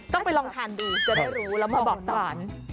ต้องไปลองทานดูจะได้รู้แล้วมาบอกทาน